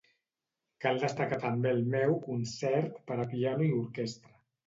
"Cal destacar també el meu ""Concert per a piano i orquestra""."